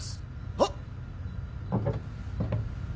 はっ！